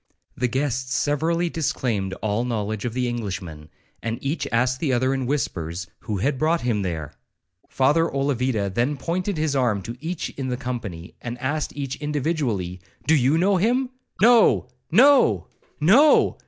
The guests severally disclaimed all knowledge of the Englishman, and each asked the other in whispers, 'who had brought him there?' Father Olavida then pointed his arm to each of the company, and asked each individually, 'Do you know him?' 'No! no! no!'